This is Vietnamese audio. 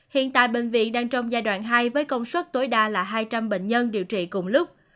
hiện tại bệnh viện đang trong giai đoạn hai với công suất tối đa là hai trăm linh bệnh nhân điều trị cùng lúc